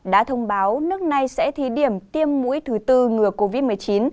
đã thông báo nước này sẽ thí điểm tiêm mũi thứ bốn ngừa covid một mươi chín